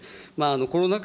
コロナ禍